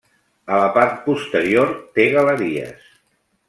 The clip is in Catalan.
A la part posterior té galeries.